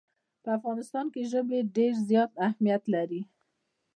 په افغانستان کې ژبې ډېر زیات اهمیت لري.